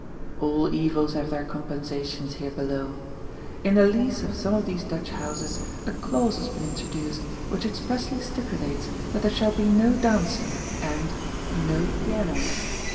All evils have their compensations here below. In the lease of some of these Dutch houses a clause has been intro duced which expressly stipulates that there shall be no dancing and — ^no piano.